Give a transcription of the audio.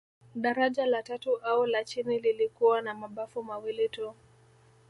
Daraja la tatu au la chini lilikuwa na mabafu mawili tu